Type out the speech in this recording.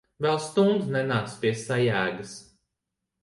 Vēl stundu nenāks pie sajēgas.